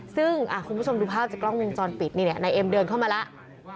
ซึ่งคุณผู้ชมดูภาพจากกล้องวงจรปิดนี่เนี่ยนายเอ็มเดินเข้ามาแล้ว